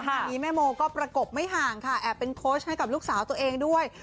ตอนนี้แม่โมก็ประกบไม่ห่างค่ะแอบเป็นโค้ชให้กับลูกสาวตัวเองด้วย